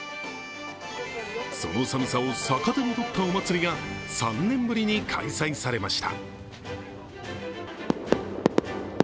その寒さを逆手に取ったお祭りが３年ぶりに開催されました。